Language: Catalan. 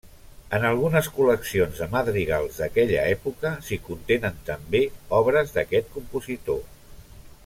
En algunes col·leccions de madrigals d'aquella època s'hi contenen també obres d'aquest compositor.